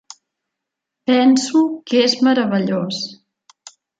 Penso que és meravellós.